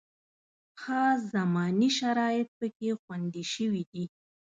خاص زماني شرایط پکې خوندي شوي دي.